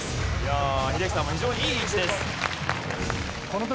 英樹さんも非常にいい位置です。